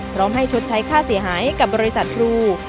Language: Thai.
พร้อมให้ชดใช้ค่าเสียหายให้กับบริษัทครู